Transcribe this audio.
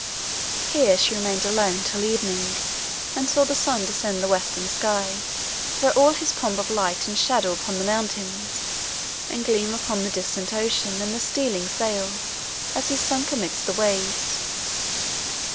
Here, she remained alone, till evening, and saw the sun descend the western sky, throw all his pomp of light and shadow upon the mountains, and gleam upon the distant ocean and the stealing sails, as he sunk amidst the waves.